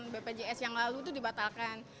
bpjs yang lalu itu dibatalkan